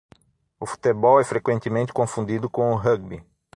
O futebol é frequentemente confundido com o rugby.